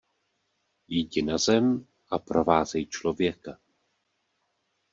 Jdi na zem a provázej člověka.